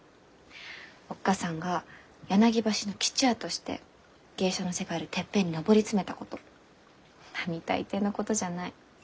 おっ母さんが柳橋の吉也として芸者の世界でてっぺんに上り詰めたこと並大抵のことじゃない。